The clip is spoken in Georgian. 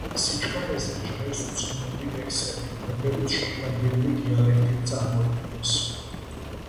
სხვა სიჩქარეზე ჟღერს უცნაური ლექსები, რომლებიც შოტლანდიური დიალექტით წარმოითქმის.